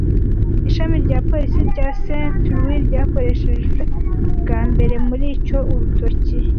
Ishami rya polisi rya Saint Louis ryakoresheje bwa mbere mu - icyo Urutoki